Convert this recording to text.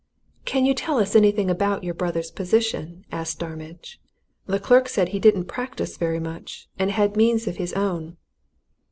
"Can you tell us anything about your brother's position?" asked Starmidge. "The clerk said he didn't practise very much, and had means of his own."